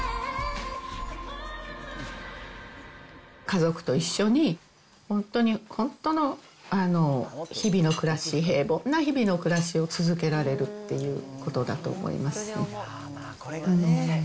家族と一緒に、本当に、本当の日々の暮らし、平凡な日々の暮らしを続けられるっていうことだと思います。